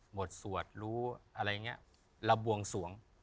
หมดสวดรู้อะไรแบบนี้แล้วบวงสวง